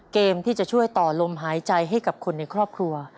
เกมที่จะช่วยต่อลมหายใจให้กับคนในครอบครัว